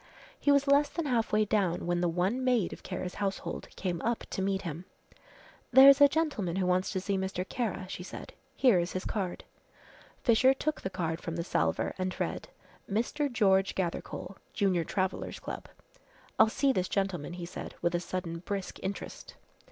He was less than half way down when the one maid of Kara's household came up to meet him. "There's a gentleman who wants to see Mr. Kara," she said, "here is his card." Fisher took the card from the salver and read, "Mr. George Gathercole, Junior Travellers' Club." "I'll see this gentleman," he said, with a sudden brisk interest.